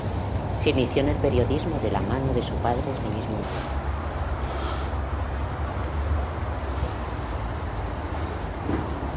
Se inició en el periodismo de la mano de su padre ese mismo día.